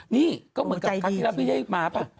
นี่ก็เหมือนกันทีละพี่ไย่มาปะ